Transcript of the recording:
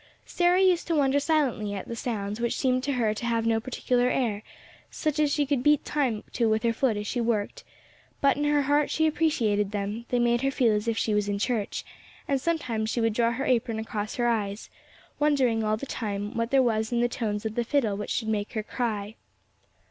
Sarah used to wonder silently at the sounds which seemed to her to have no particular air, such as she could beat time to with her foot as she worked; but in her heart she appreciated them; they made her feel as if she was in church, and sometimes she would draw her apron across her eyes, wondering all the time what there was in the tones of the fiddle which should make her cry.